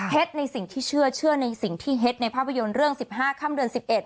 ในสิ่งที่เชื่อในสิ่งที่เฮ็ดในภาพยนตร์เรื่อง๑๕ค่ำเดือน๑๑